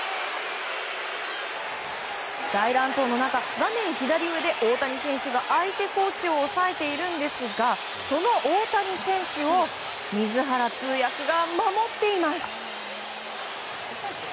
大乱闘の中、画面左上で大谷選手が相手コーチを抑えているんですがその大谷選手を水原通訳が守っています。